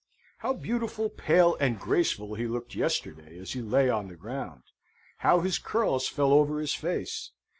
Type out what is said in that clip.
How beautiful, pale, and graceful he looked yesterday as he lay on the ground! How his curls fell over his face!